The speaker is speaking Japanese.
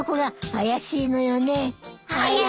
怪しい。